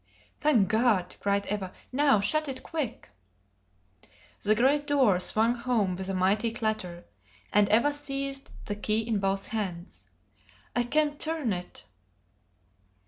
"Thank God!" cried Eva. "Now shut it quick." The great door swung home with a mighty clatter, and Eva seized the key in both hands. "I can't turn it!"